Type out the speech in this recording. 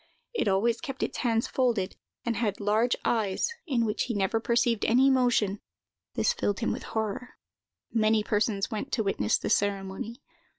It always kept its hands folded, and had large eyes, in which he never perceived any motion; this filled him with horror. Many persons went to witness the ceremony.